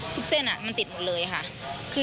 เส้นมันติดหมดเลยค่ะ